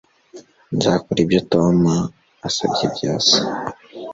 Nzakora ibyo Tom asabye byose